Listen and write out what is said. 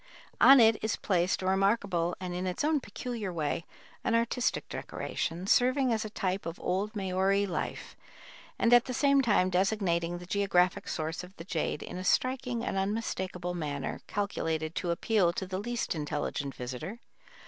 On it is placed a remarkable and, in its own peculiar way, an artistic decoration, serving as a type of old Maori life, and at the same time designating the geographic source of the jade in a striking and unmistakable manner calculated to appeal to the least intelligent visitor.